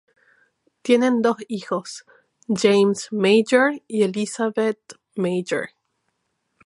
Tienen dos hijos, James Major y Elizabeth Major.